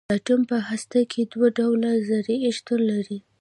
د اټوم په هسته کې دوه ډوله ذرې شتون لري.